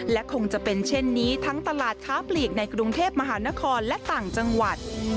และคงจะเป็นเช่นนี้ทั้งตลาดค้าปลีกในกรุงเทพมหานครและต่างจังหวัด